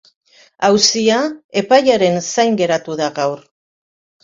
Auzia epaiaren zain geratu da gaur.